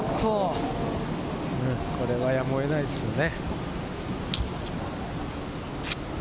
これはやむを得ないですね。